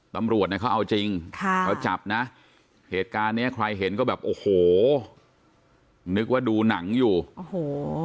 ตำรวจเนี่ยเขาเอาจริงค่ะเขาจับนะเหตุการณ์เนี้ยใครเห็นก็แบบโอ้โหนึกว่าดูหนังอยู่โอ้โห